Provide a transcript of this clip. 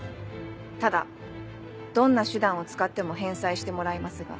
ただどんな手段を使っても返済してもらいますが。